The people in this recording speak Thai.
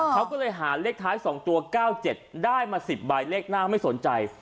เขาก็เลยหาเลขท้าย๒ตัว๙๗ได้มา๑๐ใบเลขหน้าไม่สนใจ